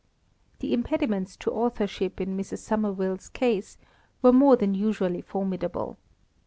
The impediments to authorship in Mrs. Somerville's case were more than usually formidable.